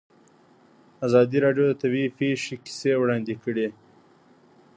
ازادي راډیو د طبیعي پېښې کیسې وړاندې کړي.